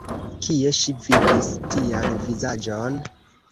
Kie ŝi vidis tian vizaĝon?